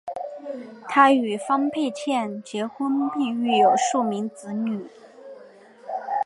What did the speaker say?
他与方佩倩结婚并育有数名子女。